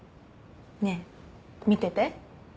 ねえ見てて。